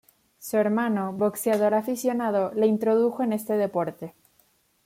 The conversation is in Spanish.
Su hermano, boxeador aficionado, le introdujo en este deporte.